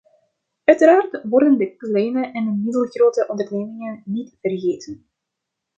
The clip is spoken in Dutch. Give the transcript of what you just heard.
Uiteraard worden de kleine en middelgrote ondernemingen niet vergeten.